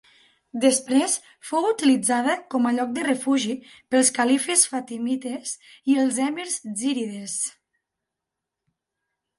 Després fou utilitzada com a lloc de refugi pels califes fatimites i els emirs zírides.